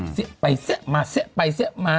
เสี๊ะไปเสี๊ะมาเสี๊ะไปเสี๊ะมา